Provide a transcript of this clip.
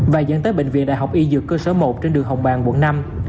và dẫn tới bệnh viện đại học y dược cơ sở một trên đường hồng bàng quận năm